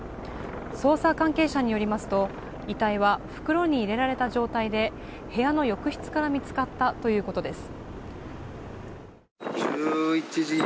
捜査関係者によりますと遺体は袋に入れられた状態で部屋の浴室から見つかったということです。